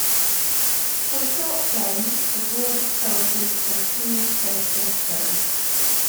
For a short game, the board is folded so fewer spaces show.